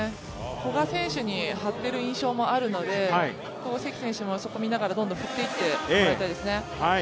古賀選手に張っている印象もあるので関選手もそこ見ながら、どんどん振っていってほしいですね。